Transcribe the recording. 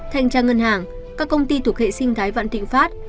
thanh tra ngân hàng các công ty thuộc hệ sinh thái vạn thịnh pháp